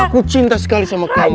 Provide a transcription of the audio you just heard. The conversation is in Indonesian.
aku cinta sekali sama kamu